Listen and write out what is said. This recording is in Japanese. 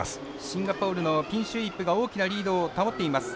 シンガポールのピンシュー・イップが大きなリードを保っています。